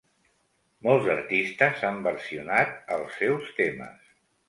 Molts artistes han versionat els seus temes.